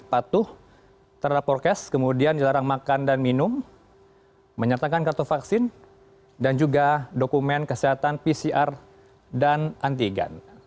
patuh terhadap orkes kemudian dilarang makan dan minum menyertakan kartu vaksin dan juga dokumen kesehatan pcr dan antigen